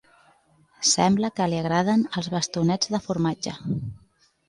Sembla que li agraden els bastonets de formatge.